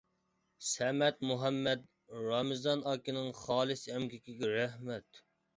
سەمەت مۇھەممەد رامىزان ئاكىنىڭ خالىس ئەمگىكىگە رەھمەت!